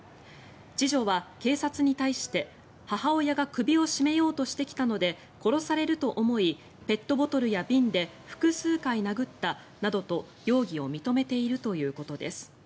次女は警察に対して母親が首を絞めようとしてきたので殺されると思いペットボトルや瓶で複数回殴ったなどと、容疑を認めているということです。